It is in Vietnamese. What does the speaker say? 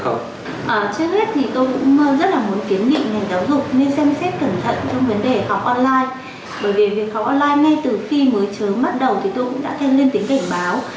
bởi vì việc học online ngay từ khi mới chớm bắt đầu thì tôi cũng đã thêm lên tính cảnh báo